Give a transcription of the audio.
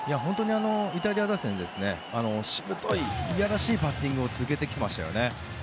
イタリア打線は本当にしぶといいやらしいバッティングを続けてきていましたよね。